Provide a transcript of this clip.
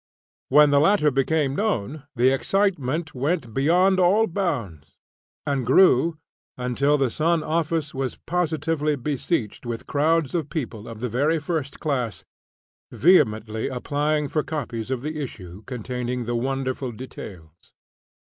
When the latter became known, the excitement went beyond all bounds, and grew until the "Sun" office was positively besieged with crowds of people of the very first class, vehemently applying for copies of the issue containing the wonderful details.